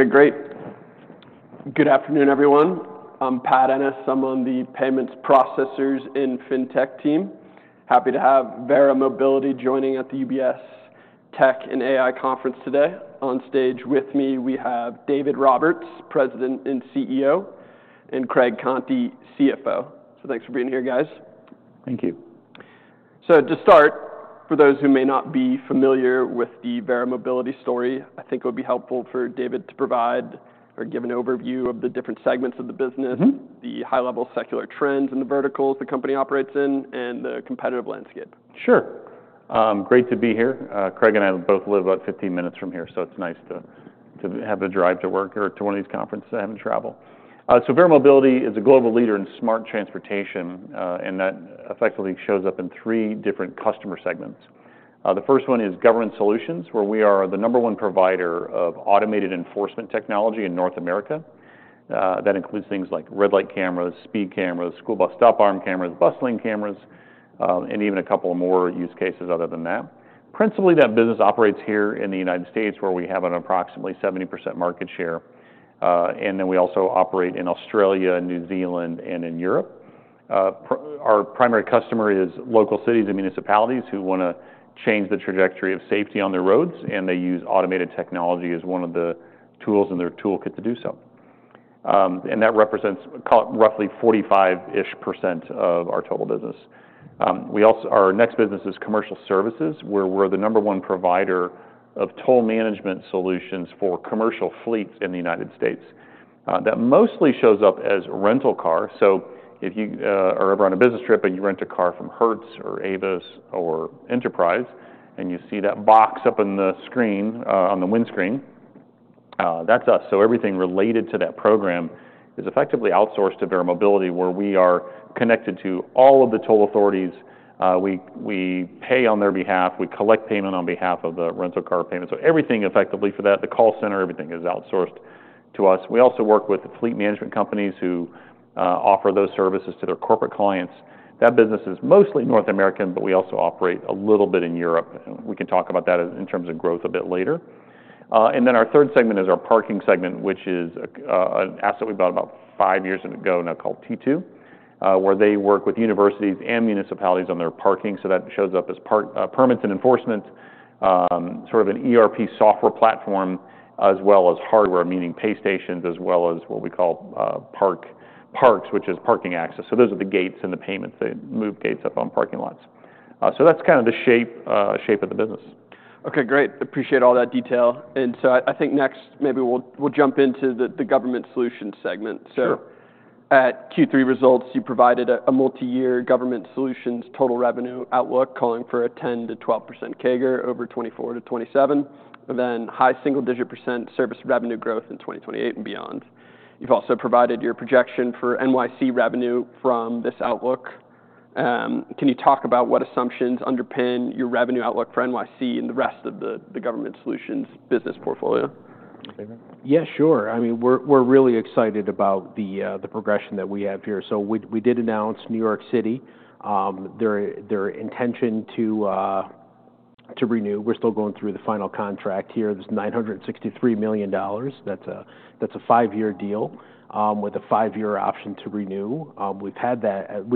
Okay, great. Good afternoon, everyone. I'm Pat Ennis. I'm on the payments processors and fintech team. Happy to have Verra Mobility joining at the UBS Tech and AI Conference today. On stage with me, we have David Roberts, President and CEO, and Craig Conti, CFO. So thanks for being here, guys. Thank you. So to start, for those who may not be familiar with the Verra Mobility story, I think it would be helpful for David to provide or give an overview of the different segments of the business, the high-level secular trends in the verticals the company operates in, and the competitive landscape. Sure. Great to be here. Craig and I both live about 15 minutes from here, so it's nice to have a drive to work or to one of these conferences and to travel. So Verra Mobility is a global leader in smart transportation, and that effectively shows up in three different customer segments. The first one is government solutions, where we are the number one provider of automated enforcement technology in North America. That includes things like red light cameras, speed cameras, school bus stop arm cameras, bus lane cameras, and even a couple more use cases other than that. Principally, that business operates here in the United States, where we have an approximately 70% market share. And then we also operate in Australia, New Zealand, and in Europe. Our primary customer is local cities and municipalities who want to change the trajectory of safety on their roads, and they use automated technology as one of the tools in their toolkit to do so, and that represents roughly 45%-ish of our total business. Our next business is commercial services, where we're the number one provider of toll management solutions for commercial fleets in the United States. That mostly shows up as rental cars. So if you are ever on a business trip and you rent a car from Hertz or Avis or Enterprise, and you see that box up on the screen, on the windscreen, that's us. So everything related to that program is effectively outsourced to Verra Mobility, where we are connected to all of the toll authorities. We pay on their behalf. We collect payment on behalf of the rental car payment. Everything effectively for that, the call center, everything is outsourced to us. We also work with fleet management companies who offer those services to their corporate clients. That business is mostly North American, but we also operate a little bit in Europe. We can talk about that in terms of growth a bit later. And then our third segment is our parking segment, which is an asset we bought about five years ago now called T2, where they work with universities and municipalities on their parking. So that shows up as permits and enforcement, sort of an ERP software platform, as well as hardware, meaning pay stations, as well as what we call parks, which is parking access. So those are the gates and the payments. They move gates up on parking lots. So that's kind of the shape of the business. Okay, great. Appreciate all that detail. And so I think next maybe we'll jump into the government solutions segment. So at Q3 results, you provided a multi-year government solutions total revenue outlook calling for a 10%-12% CAGR over 2024-2027, then high single-digit percentage service revenue growth in 2028 and beyond. You've also provided your projection for NYC revenue from this outlook. Can you talk about what assumptions underpin your revenue outlook for NYC and the rest of the government solutions business portfolio? Yeah, sure. I mean, we're really excited about the progression that we have here. So we did announce New York City, their intention to renew. We're still going through the final contract here. It's $963 million. That's a five-year deal with a five-year option to renew. We've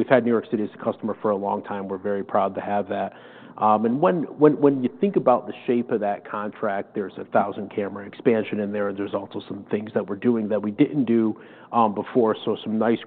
had New York City as a customer for a long time. We're very proud to have that. And when you think about the shape of that contract, there's a 1,000-camera expansion in there. There's also some things that we're doing that we didn't do before. So some nice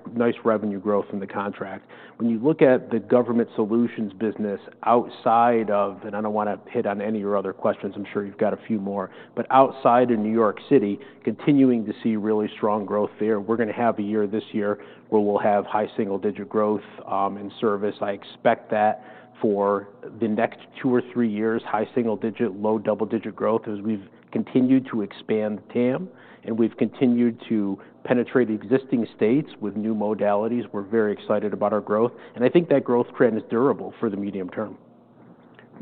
revenue growth in the contract. When you look at the government solutions business outside of, and I don't want to hit on any of your other questions, I'm sure you've got a few more, but outside of New York City, continuing to see really strong growth there. We're going to have a year this year where we'll have high single-digit growth in service. I expect that for the next 2-3 years, high single-digit, low double-digit growth as we've continued to expand TAM, and we've continued to penetrate existing states with new modalities. We're very excited about our growth. And I think that growth trend is durable for the medium term.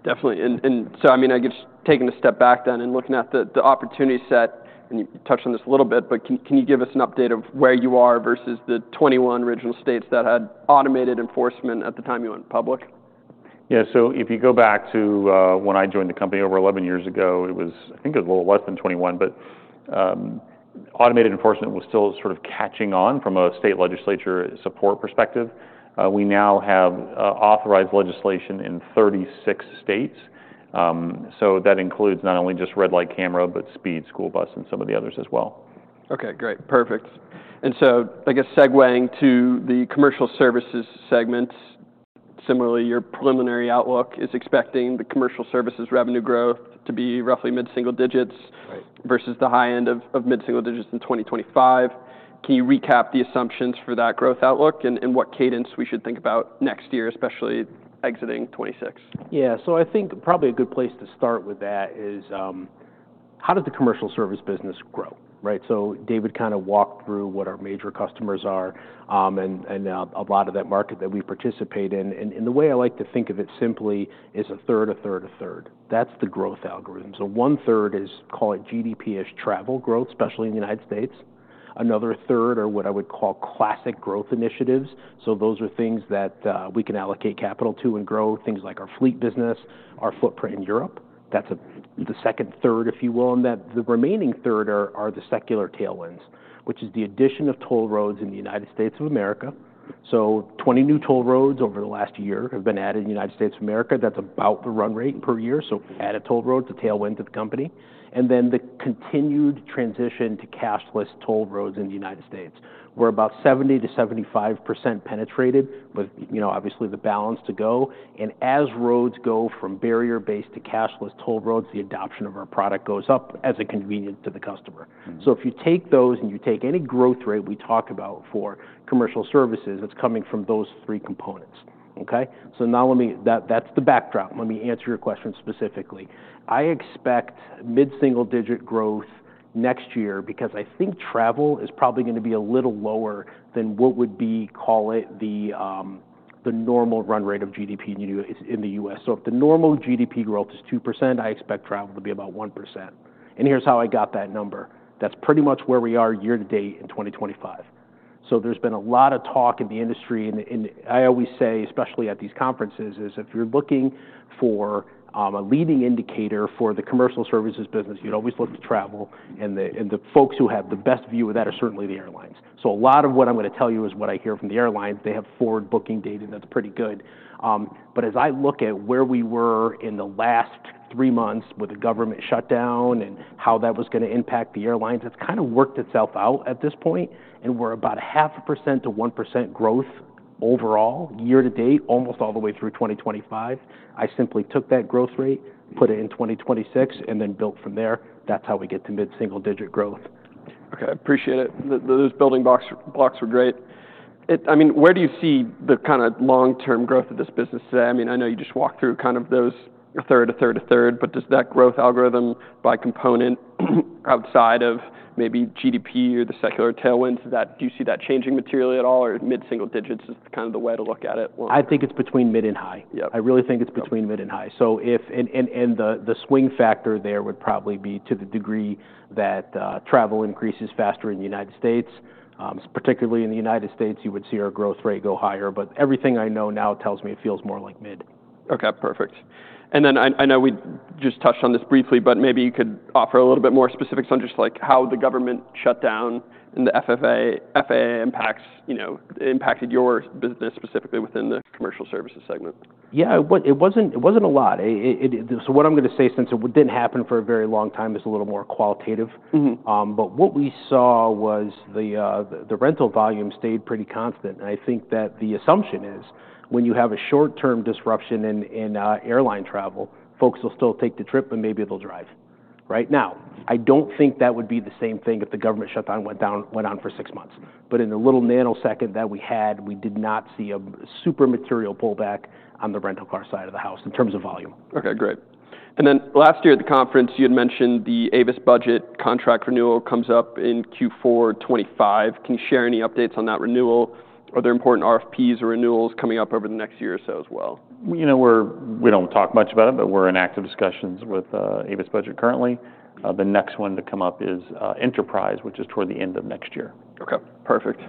Definitely. And so I mean, I guess taking a step back then and looking at the opportunity set, and you touched on this a little bit, but can you give us an update of where you are versus the 21 regional states that had automated enforcement at the time you went public? Yeah. So if you go back to when I joined the company over 11 years ago, it was, I think it was a little less than 21, but automated enforcement was still sort of catching on from a state legislature support perspective. We now have authorized legislation in 36 states. So that includes not only just red light camera, but speed, school bus, and some of the others as well. Okay, great. Perfect. And so I guess segueing to the commercial services segment, similarly, your preliminary outlook is expecting the commercial services revenue growth to be roughly mid-single digits versus the high end of mid-single digits in 2025. Can you recap the assumptions for that growth outlook and what cadence we should think about next year, especially exiting 2026? Yeah. So I think probably a good place to start with that is how did the commercial service business grow, right? So David kind of walked through what our major customers are and a lot of that market that we participate in. And the way I like to think of it simply is 1/3, 1/3, 1/3. That's the growth algorithm. So, 1/3 is call it GDP-ish travel growth, especially in the United States. Another third are what I would call classic growth initiatives. So those are things that we can allocate capital to and grow things like our fleet business, our footprint in Europe. That's the second third, if you will. And the remaining third are the secular tailwinds, which is the addition of toll roads in the United States of America. So, 20 new toll roads over the last year have been added in the United States of America. That's about the run rate per year. So add a toll road, the tailwind to the company. And then the continued transition to cashless toll roads in the United States. We're about 70%-75% penetrated with, obviously, the balance to go. And as roads go from barrier-based to cashless toll roads, the adoption of our product goes up as a convenience to the customer. So if you take those and you take any growth rate we talk about for commercial services, it's coming from those three components. Okay? So now let me. That's the backdrop. Let me answer your question specifically. I expect mid-single digit growth next year because I think travel is probably going to be a little lower than what would be, call it the normal run rate of GDP in the U.S. So if the normal GDP growth is 2%, I expect travel to be about 1%. And here's how I got that number. That's pretty much where we are year to date in 2025. So there's been a lot of talk in the industry. And I always say, especially at these conferences, is if you're looking for a leading indicator for the commercial services business, you'd always look to travel. And the folks who have the best view of that are certainly the airlines. So a lot of what I'm going to tell you is what I hear from the airlines. They have forward-looking data that's pretty good. But as I look at where we were in the last three months with the government shutdown and how that was going to impact the airlines, it's kind of worked itself out at this point. And we're about 0.5%-1% growth overall year to date, almost all the way through 2025. I simply took that growth rate, put it in 2026, and then built from there. That's how we get to mid-single digit growth. Okay. I appreciate it. Those building blocks were great. I mean, where do you see the kind of long-term growth of this business today? I mean, I know you just walked through kind of those third to third to third, but does that growth algorithm by component outside of maybe GDP or the secular tailwinds, do you see that changing materially at all, or mid-single digits is kind of the way to look at it? I think it's between mid and high. I really think it's between mid and high. And the swing factor there would probably be to the degree that travel increases faster in the United States. Particularly in the United States, you would see our growth rate go higher. But everything I know now tells me it feels more like mid. Okay. Perfect. And then I know we just touched on this briefly, but maybe you could offer a little bit more specifics on just like how the government shutdown and the FAA impacted your business specifically within the commercial services segment? Yeah. It wasn't a lot. So what I'm going to say, since it didn't happen for a very long time, is a little more qualitative. But what we saw was the rental volume stayed pretty constant. And I think that the assumption is when you have a short-term disruption in airline travel, folks will still take the trip, but maybe they'll drive. Right now, I don't think that would be the same thing if the government shutdown went on for six months. But in the little nanosecond that we had, we did not see a super material pullback on the rental car side of the house in terms of volume. Okay. Great. And then last year at the conference, you had mentioned the Avis Budget contract renewal comes up in Q4 2025. Can you share any updates on that renewal? Are there important RFPs or renewals coming up over the next year or so as well? We don't talk much about it, but we're in active discussions with Avis Budget currently. The next one to come up is Enterprise, which is toward the end of next year. Okay. Perfect.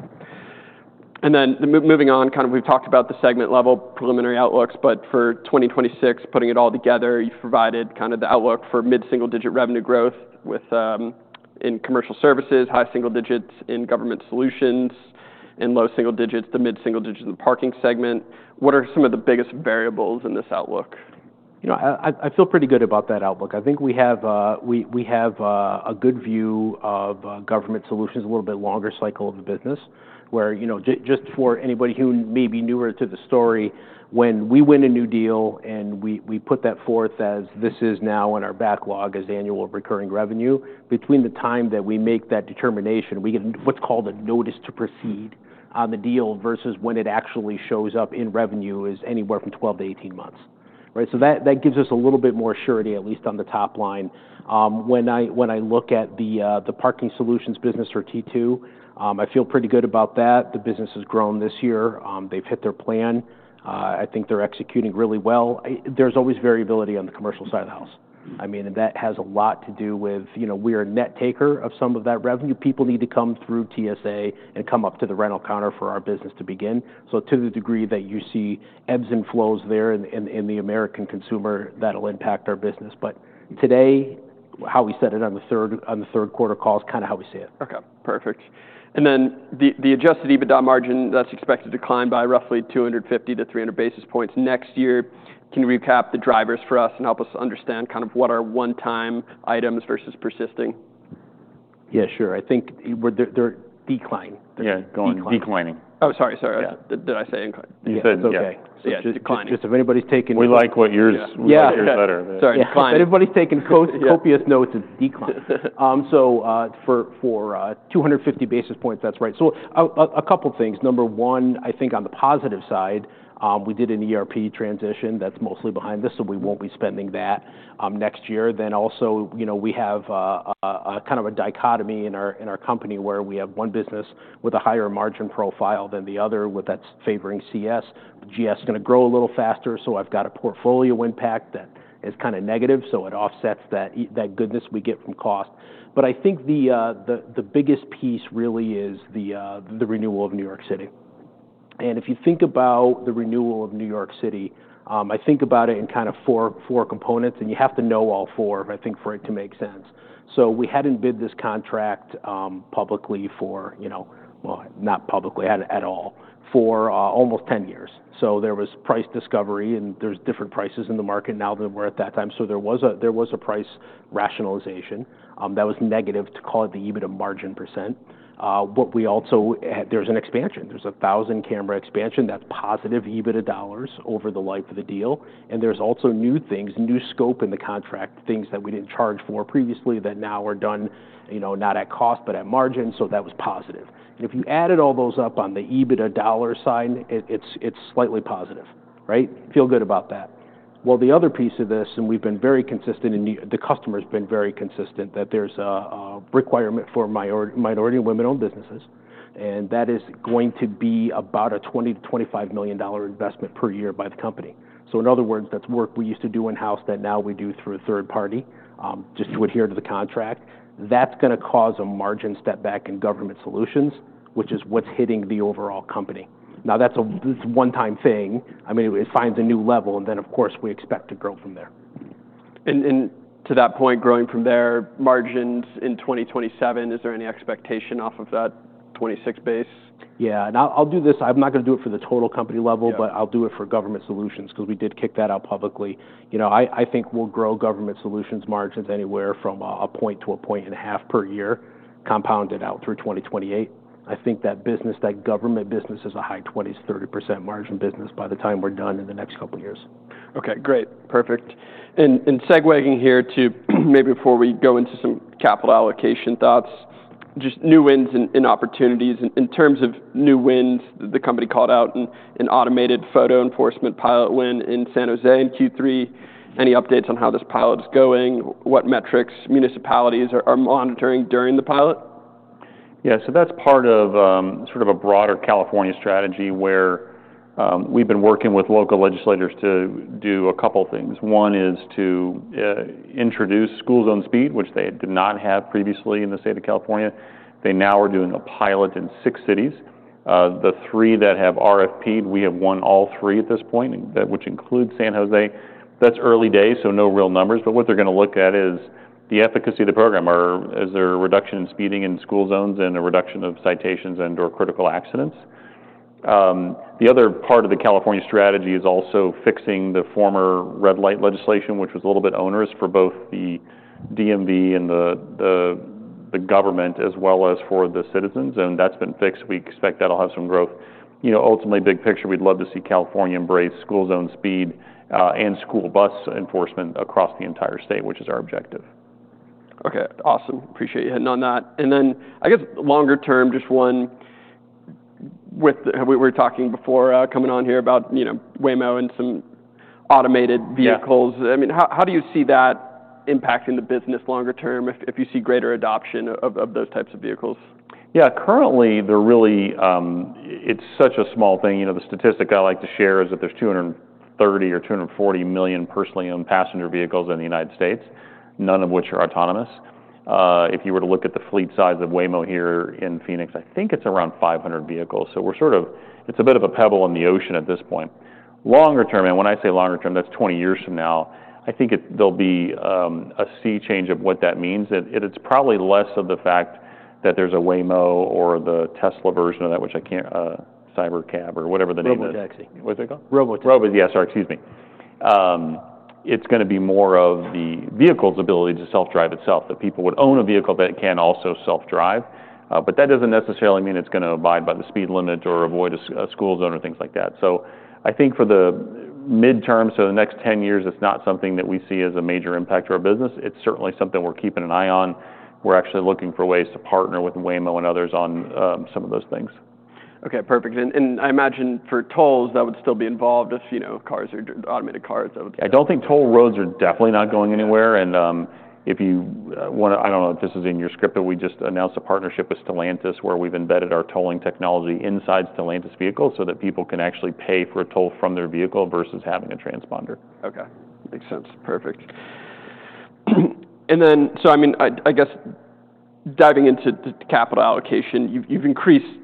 And then moving on, kind of we've talked about the segment-level preliminary outlooks, but for 2026, putting it all together, you've provided kind of the outlook for mid-single digit revenue growth in commercial services, high single digits in government solutions, and low single digits, the mid-single digits in the parking segment. What are some of the biggest variables in this outlook? I feel pretty good about that outlook. I think we have a good view of government solutions, a little bit longer cycle of the business, where just for anybody who may be newer to the story, when we win a new deal and we put that forth as this is now in our backlog as annual recurring revenue, between the time that we make that determination, we get what's called a notice to proceed on the deal versus when it actually shows up in revenue is anywhere from 12-18 months. Right? So that gives us a little bit more surety, at least on the top line. When I look at the parking solutions business or T2, I feel pretty good about that. The business has grown this year. They've hit their plan. I think they're executing really well. There's always variability on the commercial side of the house. I mean, and that has a lot to do with we're a net taker of some of that revenue. People need to come through TSA and come up to the rental counter for our business to begin. So to the degree that you see ebbs and flows there in the American consumer, that'll impact our business. But today, how we set it on the third quarter call is kind of how we see it. Okay. Perfect. And then the adjusted EBITDA margin, that's expected to climb by roughly 250-300 basis points next year. Can you recap the drivers for us and help us understand kind of what are one-time items versus persisting? Yeah, sure. I think they're declining. Oh, sorry. Sorry. Did I say? You said it's okay. So yeah, declining. Just if anybody's taken. We like what yours is better. Sorry. If anybody's taken copious notes, it's declining, so for 250 basis points, that's right. So a couple of things. Number one, I think on the positive side, we did an ERP transition that's mostly behind this, so we won't be spending that next year. Then also we have kind of a dichotomy in our company where we have one business with a higher margin profile than the other, that's favoring CS. GS is going to grow a little faster, so I've got a portfolio impact that is kind of negative, so it offsets that goodness we get from cost. But I think the biggest piece really is the renewal of New York City. And if you think about the renewal of New York City, I think about it in kind of four components, and you have to know all four, I think, for it to make sense. So we hadn't bid this contract publicly for, well, not publicly at all, for almost 10 years. So there was price discovery, and there's different prices in the market now than there were at that time. So there was a price rationalization that was negative to call it the EBITDA margin percentage. What we also, there's an expansion. There's 1,000 camera expansion. That's positive EBITDA dollars over the life of the deal. And there's also new things, new scope in the contract, things that we didn't charge for previously that now are done not at cost, but at margin. So that was positive. And if you added all those up on the EBITDA dollars, it's slightly positive, right? Feel good about that. The other piece of this, and we've been very consistent, and the customer has been very consistent that there's a requirement for minority and women-owned businesses, and that is going to be about a $20 million-$25 million investment per year by the company. So in other words, that's work we used to do in-house that now we do through a third party just to adhere to the contract. That's going to cause a margin step back in government solutions, which is what's hitting the overall company. Now, that's a one-time thing. I mean, it finds a new level, and then, of course, we expect to grow from there. And to that point, growing from there, margins in 2027, is there any expectation off of that 26 base? Yeah, and I'll do this. I'm not going to do it for the total company level, but I'll do it for government solutions because we did kick that out publicly. I think we'll grow government solutions margins anywhere from a point to a point and a half per year, compounded out through 2028. I think that business, that government business is a high 20%-30% margin business by the time we're done in the next couple of years. Okay. Great. Perfect. And segueing here to maybe before we go into some capital allocation thoughts, just new wins and opportunities. In terms of new wins, the company called out an automated photo enforcement pilot win in San Jose in Q3. Any updates on how this pilot is going? What metrics municipalities are monitoring during the pilot? Yeah. So that's part of sort of a broader California strategy where we've been working with local legislators to do a couple of things. One is to introduce school zone speed, which they did not have previously in the state of California. They now are doing a pilot in six cities. The three that have RFP, we have won all three at this point, which includes San Jose. That's early days, so no real numbers. But what they're going to look at is the efficacy of the program. Is there a reduction in speeding in school zones and a reduction of citations and/or critical accidents? The other part of the California strategy is also fixing the former red light legislation, which was a little bit onerous for both the DMV and the government as well as for the citizens. And that's been fixed. We expect that'll have some growth. Ultimately, big picture, we'd love to see California embrace school zone speed and school bus enforcement across the entire state, which is our objective. Okay. Awesome. Appreciate you hitting on that. And then I guess longer term, just one, we were talking before coming on here about Waymo and some automated vehicles. I mean, how do you see that impacting the business longer term if you see greater adoption of those types of vehicles? Yeah. Currently, it's such a small thing. The statistic I like to share is that there's 230 or 240 million personally owned passenger vehicles in the United States, none of which are autonomous. If you were to look at the fleet size of Waymo here in Phoenix, I think it's around 500 vehicles. So we're sort of, it's a bit of a pebble in the ocean at this point. Longer term, and when I say longer term, that's 20 years from now. I think there'll be a sea change of what that means. It's probably less of the fact that there's a Waymo or the Tesla version of that, which I can't, Cybercab or whatever the name is. Robotaxi. What's it called? Robotaxi. Robotaxi. It's going to be more of the vehicle's ability to self-drive itself, that people would own a vehicle that can also self-drive. But that doesn't necessarily mean it's going to abide by the speed limit or avoid a school zone or things like that. So I think for the midterm, so the next 10 years, it's not something that we see as a major impact to our business. It's certainly something we're keeping an eye on. We're actually looking for ways to partner with Waymo and others on some of those things. Okay. Perfect. And I imagine for tolls, that would still be involved if cars are autonomous cars. I don't think toll roads are definitely not going anywhere, and if you want to, I don't know if this is in your script, but we just announced a partnership with Stellantis where we've embedded our tolling technology inside Stellantis vehicles so that people can actually pay for a toll from their vehicle versus having a transponder. Okay. Makes sense. Perfect. And then, so I mean, I guess diving into the capital allocation, you've increased the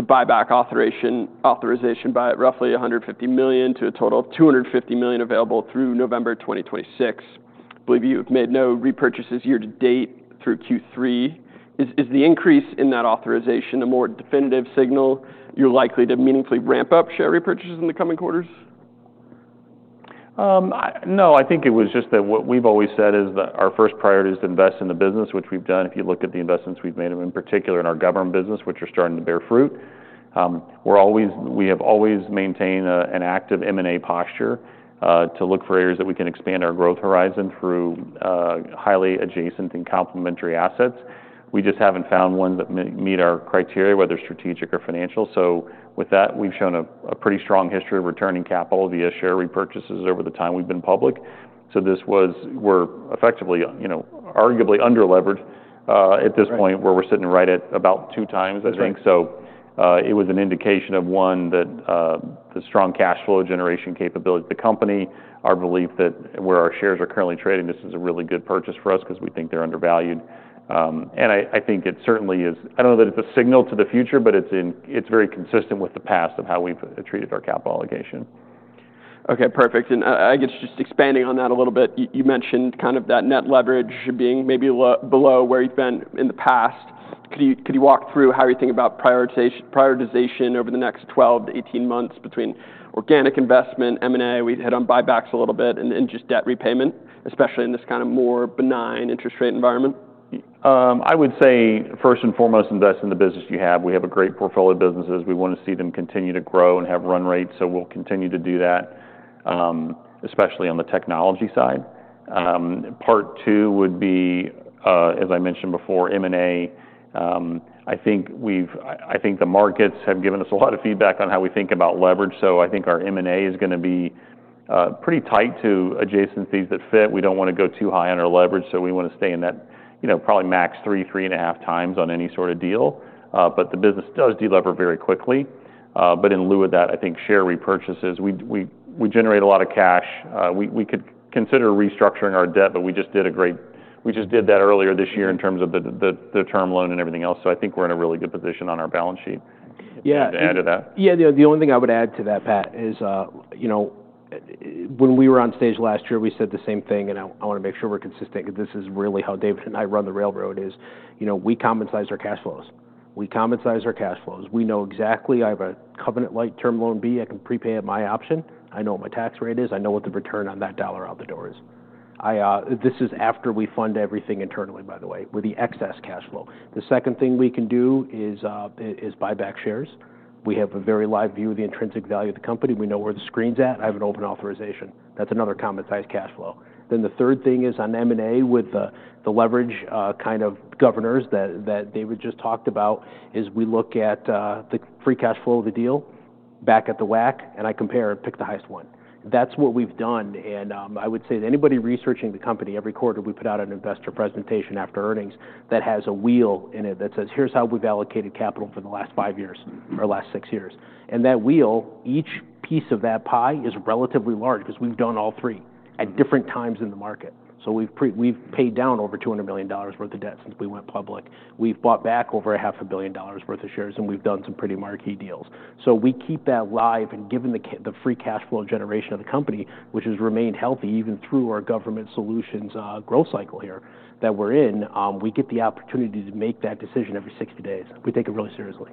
buyback authorization by roughly $150 million to a total of $250 million available through November 2026. I believe you've made no repurchases year to date through Q3. Is the increase in that authorization a more definitive signal you're likely to meaningfully ramp up share repurchases in the coming quarters? No. I think it was just that what we've always said is that our first priority is to invest in the business, which we've done. If you look at the investments we've made, in particular in our government business, which are starting to bear fruit, we have always maintained an active M&A posture to look for areas that we can expand our growth horizon through highly adjacent and complementary assets. We just haven't found ones that meet our criteria, whether strategic or financial. So with that, we've shown a pretty strong history of returning capital via share repurchases over the time we've been public. So we're effectively arguably underlevered at this point where we're sitting right at about two times, I think. So, it was an indication of one, that the strong cash flow generation capability of the company, our belief that where our shares are currently trading, this is a really good purchase for us because we think they're undervalued, and I think it certainly is. I don't know that it's a signal to the future, but it's very consistent with the past of how we've treated our capital allocation. Okay. Perfect. And I guess just expanding on that a little bit, you mentioned kind of that net leverage being maybe below where you've been in the past. Could you walk through how you're thinking about prioritization over the next 12-18 months between organic investment, M&A? We hit on buybacks a little bit and just debt repayment, especially in this kind of more benign interest rate environment. I would say first and foremost, invest in the business you have. We have a great portfolio of businesses. We want to see them continue to grow and have run rates. So we'll continue to do that, especially on the technology side. Part two would be, as I mentioned before, M&A. I think the markets have given us a lot of feedback on how we think about leverage. So I think our M&A is going to be pretty tight to adjacencies that fit. We don't want to go too high on our leverage. So we want to stay in that probably max 3, 3.5 times on any sort of deal. But the business does delever very quickly. But in lieu of that, I think share repurchases, we generate a lot of cash. We could consider restructuring our debt, but we just did that earlier this year in terms of the term loan and everything else. So I think we're in a really good position on our balance sheet. Yeah. To add to that? Yeah. The only thing I would add to that, Pat, is when we were on stage last year, we said the same thing, and I want to make sure we're consistent because this is really how David and I run the railroad is we capitalize our cash flows. We capitalize our cash flows. We know exactly. I have a covenant-like Term Loan B. I can prepay at my option. I know what my tax rate is. I know what the return on that dollar out the door is. This is after we fund everything internally, by the way, with the excess cash flow. The second thing we can do is buyback shares. We have a very live view of the intrinsic value of the company. We know where the stock's at. I have an open authorization. That's another capitalized cash flow. Then the third thing is on M&A with the leverage kind of governors that David just talked about is we look at the free cash flow of the deal back at the WACC, and I compare and pick the highest one. That's what we've done. And I would say that anybody researching the company, every quarter, we put out an investor presentation after earnings that has a wheel in it that says, "Here's how we've allocated capital for the last five years or last six years." And that wheel, each piece of that pie is relatively large because we've done all three at different times in the market. So we've paid down over $200 million worth of debt since we went public. We've bought back over $500 million worth of shares, and we've done some pretty marquee deals. So we keep that live. And given the free cash flow generation of the company, which has remained healthy even through our government solutions growth cycle here that we're in, we get the opportunity to make that decision every 60 days. We take it really seriously.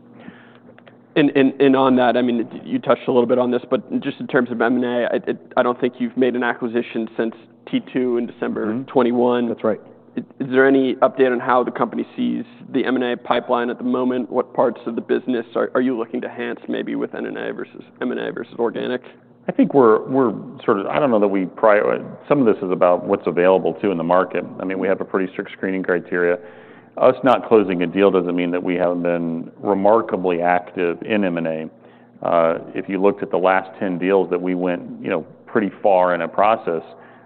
On that, I mean, you touched a little bit on this, but just in terms of M&A, I don't think you've made an acquisition since T2 in December 2021. That's right. Is there any update on how the company sees the M&A pipeline at the moment? What parts of the business are you looking to enhance maybe with M&A versus organic? I think we're sort of. I don't know that we prioritize. Some of this is about what's available too in the market. I mean, we have a pretty strict screening criteria. Our not closing a deal doesn't mean that we haven't been remarkably active in M&A. If you looked at the last 10 deals that we went pretty far in a process,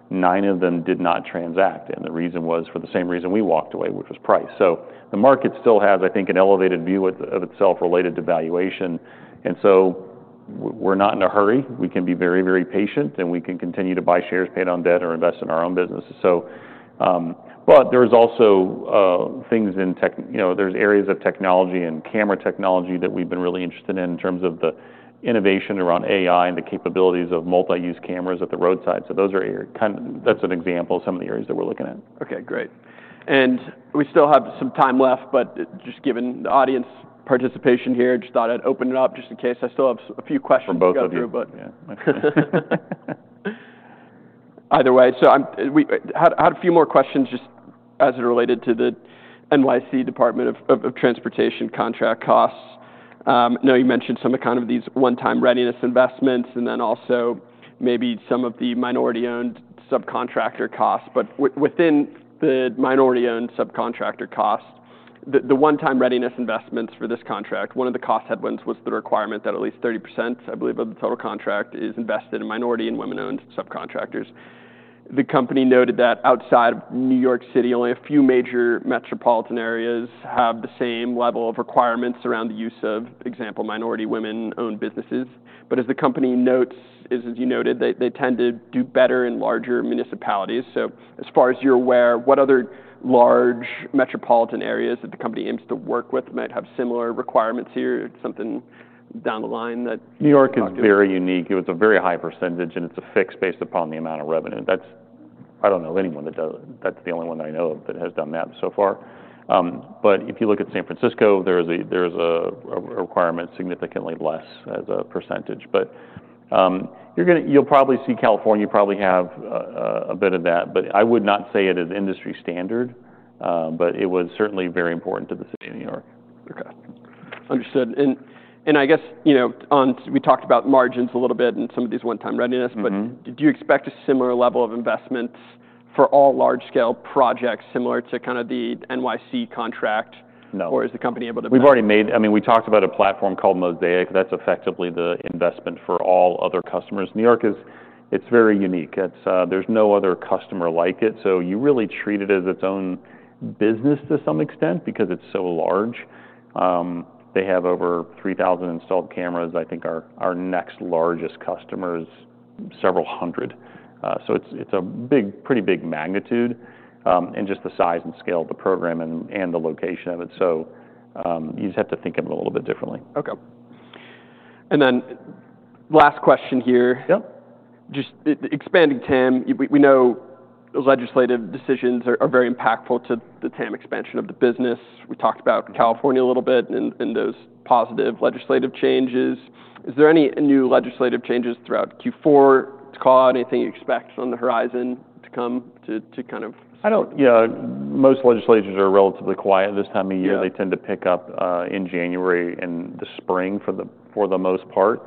nine of them did not transact. And the reason was for the same reason we walked away, which was price. So the market still has, I think, an elevated view of itself related to valuation. And so we're not in a hurry. We can be very, very patient, and we can continue to buy shares, pay down debt, or invest in our own businesses. But there are also things. There are areas of technology and camera technology that we've been really interested in terms of the innovation around AI and the capabilities of multi-use cameras at the roadside. So those are kind of; that's an example of some of the areas that we're looking at. Okay. Great. And we still have some time left, but just given the audience participation here, just thought I'd open it up just in case. I still have a few questions to go through, but. From both of you. Either way, so I had a few more questions just as it related to the NYC Department of Transportation contract costs. I know you mentioned some of kind of these one-time readiness investments and then also maybe some of the minority-owned subcontractor costs, but within the minority-owned subcontractor costs, the one-time readiness investments for this contract, one of the cost headwinds was the requirement that at least 30%, I believe, of the total contract is invested in minority and women-owned subcontractors. The company noted that outside of New York City, only a few major metropolitan areas have the same level of requirements around the use of, example, minority women-owned businesses, but as the company notes, as you noted, they tend to do better in larger municipalities, so as far as you're aware, what other large metropolitan areas that the company aims to work with might have similar requirements here? Something down the line that. New York is very unique. It was a very high percentage, and it's a fix based upon the amount of revenue. I don't know anyone that does. That's the only one that I know of that has done that so far. But if you look at San Francisco, there's a requirement significantly less as a percentage. But you'll probably see California, you probably have a bit of that. But I would not say it is industry standard, but it was certainly very important to the city of New York. Okay. Understood. And I guess we talked about margins a little bit and some of these one-time readiness, but do you expect a similar level of investment for all large-scale projects similar to kind of the NYC contract? No. Or is the company able to? We've already made, I mean, we talked about a platform called Mosaic. That's effectively the investment for all other customers. New York is, it's very unique. There's no other customer like it. So you really treat it as its own business to some extent because it's so large. They have over 3,000 installed cameras. I think our next largest customer is several hundred. So it's a pretty big magnitude and just the size and scale of the program and the location of it. So you just have to think of it a little bit differently. Okay. And then last question here. Yep? Just expanding TAM. We know those legislative decisions are very impactful to the TAM expansion of the business. We talked about California a little bit and those positive legislative changes. Is there any new legislative changes throughout Q4 to call out anything you expect on the horizon to come to kind of. Yeah. Most legislatures are relatively quiet this time of year. They tend to pick up in January and the spring for the most part.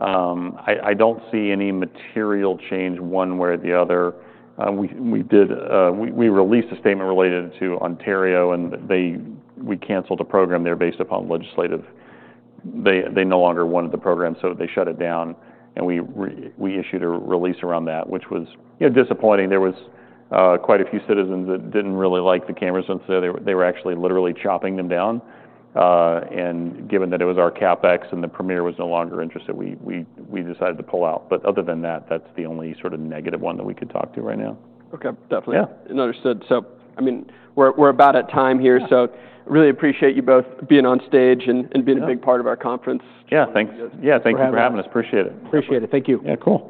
I don't see any material change one way or the other. We released a statement related to Ontario, and we canceled a program there based upon legislative. They no longer wanted the program, so they shut it down. And we issued a release around that, which was disappointing. There was quite a few citizens that didn't really like the cameras since they were actually literally chopping them down. And given that it was our CapEx and the premier was no longer interested, we decided to pull out. But other than that, that's the only sort of negative one that we could talk to right now. Okay. Definitely. And understood. So I mean, we're about at time here. So really appreciate you both being on stage and being a big part of our conference. Yeah. Thanks. Yeah. Thank you for having us. Appreciate it. Appreciate it. Thank you. Yeah. Cool.